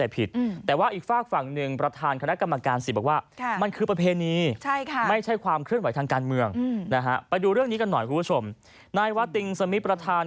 สิทธิมนุษยชนแห่งชาติหรือว่ากสมเนี่ย